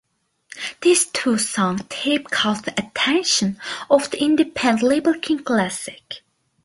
This two song tape caught the attention of the independent label King Klassic.